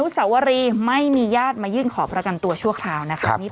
สวัสดีครับพี่ชาว